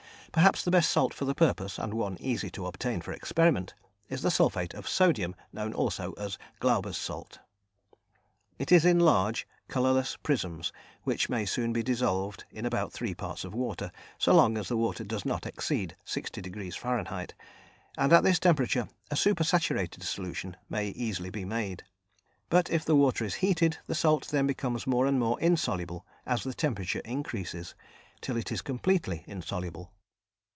Perhaps the best salt for the purpose, and one easy to obtain for experiment, is the sulphate of sodium known also as Glauber's Salt. It is in large, colourless prisms, which may soon be dissolved in about three parts of water, so long as the water does not exceed 60° F., and at this temperature a super saturated solution may easily be made. But if the water is heated the salt then becomes more and more insoluble as the temperature increases, till it is completely insoluble.